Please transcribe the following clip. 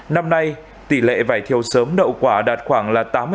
năm nay tỷ lệ vải thiều sớm đậu quả đạt khoảng là tám mươi